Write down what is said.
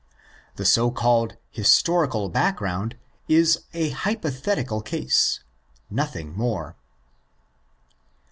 The so called historical background is a hypothetical case, nothing more.